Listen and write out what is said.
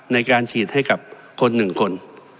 ในการฉีดให้กับคน๑คน